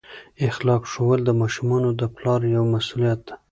اخلاق ښوول د ماشومانو د پلار یوه مسؤلیت ده.